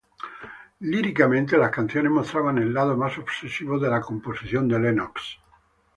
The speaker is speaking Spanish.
Líricamente las canciones mostraban el lado más obsesivo en la composición de Lennox.